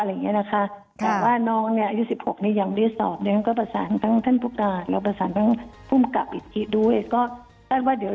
แต่ว่ายุ๑๖ยังมีสอบท่านพุทธการและพุ่มกับอิสถีด้วย